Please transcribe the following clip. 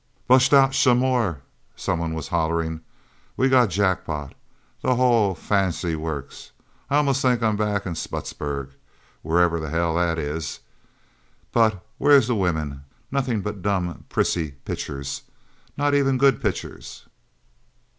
"Busht out shummore!" somebody was hollering. "We got jackpot the whole fanshy works! I almost think I'm back in Sputtsberg wherever hell that is... But where's the wimmin? Nothing but dumb, prissy pitchers! Not even good pitchers...!"